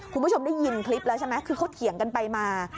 คุณผู้ชมได้ยินคลิปแล้วใช่ไหมคือเขาเถียงกันไปมา